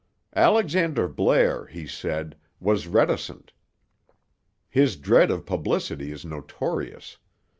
Alexander Blair, he said, was reticent; his dread of publicity is notorious.